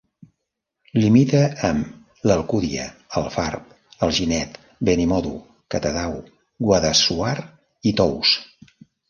Limita amb l'Alcúdia, Alfarb, Alginet, Benimodo, Catadau, Guadassuar i Tous.